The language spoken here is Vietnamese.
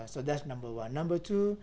đó là thứ nhất